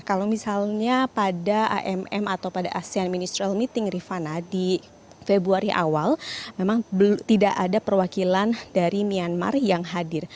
kalau misalnya pada amm atau pada asean ministerial meeting rifana di februari awal memang tidak ada perwakilan dari myanmar yang hadir